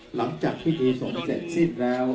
หลังจากพิธีสงสารเสร็จซิ่ดแล้ว